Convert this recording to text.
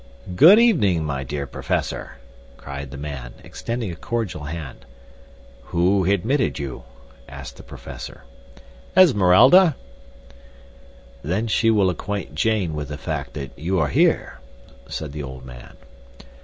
"Good evening, my dear Professor," cried the man, extending a cordial hand. "Who admitted you?" asked the professor. "Esmeralda." "Then she will acquaint Jane with the fact that you are here," said the old man.